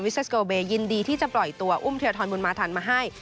สโกเบยินดีที่จะปล่อยตัวอุ้มเทียทรบุญมาทันมาให้